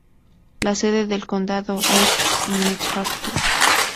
La sede del condado es McArthur.